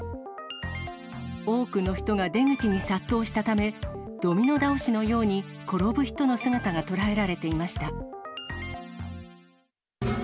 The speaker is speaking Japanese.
多くの人が出口に殺到したため、ドミノ倒しのように転ぶ人の姿が捉えられていました。